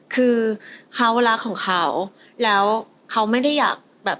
คือเขารักของเขาแล้วเขาไม่ได้อยากแบบ